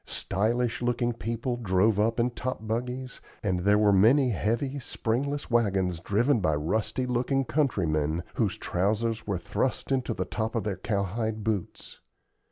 Stylish looking people drove up in top buggies, and there were many heavy, springless wagons driven by rusty looking countrymen, whose trousers were thrust into the top of their cowhide boots.